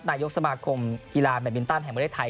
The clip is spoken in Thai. นายยกสมาคมกีฬาแบบบินตันแห่งมูลได้ไถ่